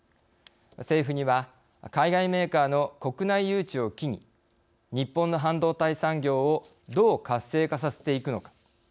政府には、海外メーカーの国内誘致を機に日本の半導体産業をどう活性化させていくのか。